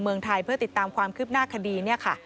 เมืองไทยเพื่อติดตามความคืบหน้าคดี